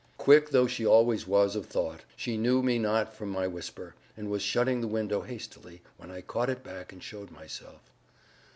Quick though she always was of thought, she knew me not from my whisper, and was shutting the window hastily, when I caught it back and showed myself.